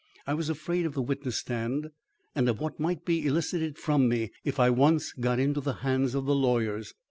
I was afraid of the witness stand and of what might be elicited from me if I once got into the hands of the lawyers.